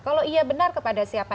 kalau iya benar kepada siapa